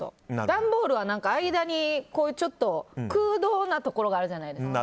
段ボールは間にちょっと空洞なところがあるじゃないですか。